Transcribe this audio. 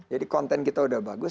jadi konten kita udah bagus